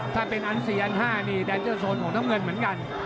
แต่เป็นอัน๔อัน๕นี่แดนเจอร์โซนของเท้าเมืองเหมือนกัน